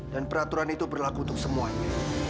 dan peraturan itu berlaku untuk semuanya